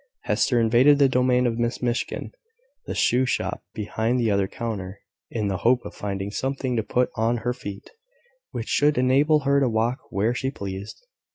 Hester invaded the domain of Miss Miskin the shoe shop behind the other counter in the hope of finding something to put on her feet, which should enable her to walk where she pleased.